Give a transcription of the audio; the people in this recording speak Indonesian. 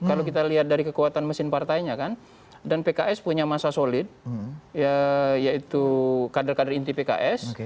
kalau kita lihat dari kekuatan mesin partainya kan dan pks punya masa solid yaitu kader kader inti pks